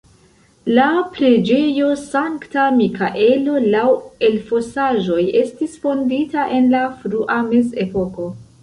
La preĝejo Sankta Mikaelo laŭ elfosaĵoj estis fondita en la frua mezepoko.